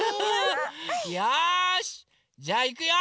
よしじゃあいくよ！